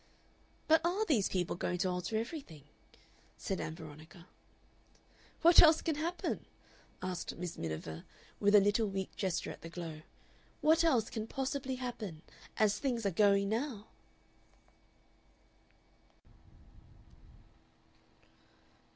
"But ARE these people going to alter everything?" said Ann Veronica. "What else can happen?" asked Miss Miniver, with a little weak gesture at the glow. "What else can possibly happen as things are going now?"